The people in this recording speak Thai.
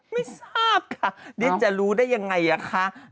ไม่ทราบค่ะดิฉันจะรู้ได้ยังไงอะคะ